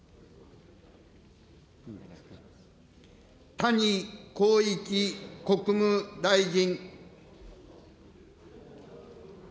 谷公一国務大臣。